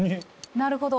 なるほど。